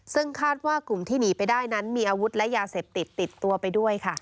ซึ่งคาดว่ากลุ่มที่หนีไปได้นั้นมีอาวุธและยาเสพติดติดตัวไปด้วยค่ะ